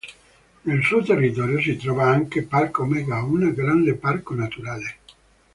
Nel suo territorio si trova anche Parc Omega, un grande parco naturale.